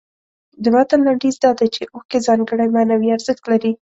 د متن لنډیز دا دی چې اوښکې ځانګړی معنوي ارزښت لري.